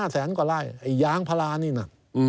๕แสนกว่ารายไอแย๊งพลารานี่น่ะ